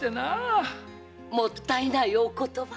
もったいないお言葉。